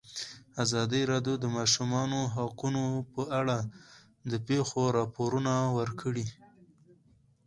ازادي راډیو د د ماشومانو حقونه په اړه د پېښو رپوټونه ورکړي.